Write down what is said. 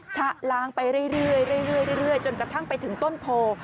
ชะล้างไปเรื่อยจนกระทั่งไปถึงต้นโพ